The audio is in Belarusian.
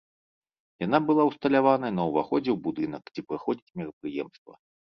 Яна была ўсталяваная на ўваходзе ў будынак, дзе праходзіць мерапрыемства.